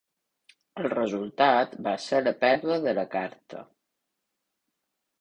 El resultat va ser la pèrdua de la carta.